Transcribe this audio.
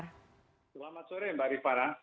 selamat sore mbak riffana